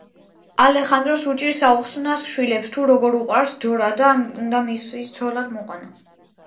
ალეხანდროს უჭირს აუხსნას შვილებს თუ როგორ უყვარს დორა და უნდა მისი ცოლად მოყვანა.